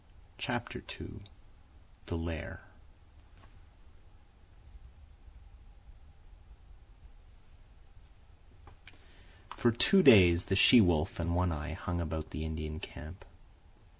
CHAPTER II THE LAIR For two days the she wolf and One Eye hung about the Indian camp.